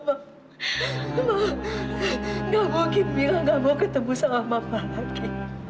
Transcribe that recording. mama gak mungkin mila gak mau ketemu sama mama lagi